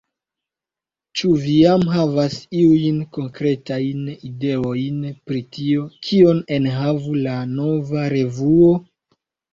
Ĉu vi jam havas iujn konkretajn ideojn pri tio, kion enhavu la nova revuo?